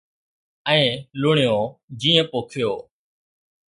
،۽ لڻيو جيئن پوکيو